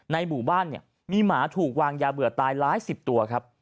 หมู่บ้านเนี่ยมีหมาถูกวางยาเบื่อตายหลายสิบตัวครับ